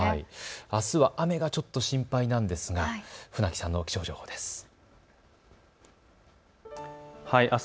あすは雨がちょっと心配なんですが船木さんの気象情報です。